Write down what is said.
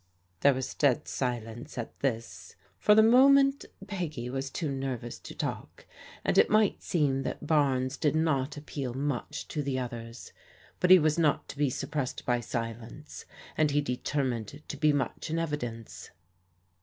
*' There was dead silence at this. For the moment Peggy was too nervous to talk, and it might seem that Barnes did not appeal much to the others. But he was not to be suppressed by silence, and he determined to be much in evidence.